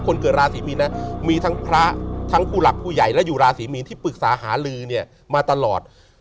คนเกิดราศีมีนนะมีทั้งพระทั้งผู้หลักผู้ใหญ่และอยู่ราศีมีนที่ปรึกษาหาลือเนี่ยมาตลอด